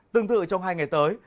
tương tự trong hai ngày tới